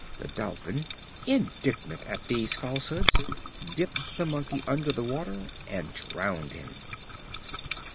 The Dolphin, indignant at these falsehoods, dipped the Monkey under the water, and drowned him.